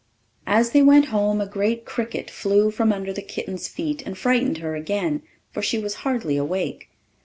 As they went home, a great cricket flew from under the kitten's feet and frightened her again, for she was hardly awake.